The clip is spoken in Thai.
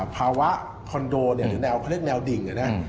ภาวะคอนโดหรือแนวเขาเรียกแนวดิ่งนะครับ